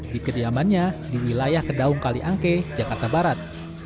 di kediamannya di wilayah kedaung kaliangke jakarta barat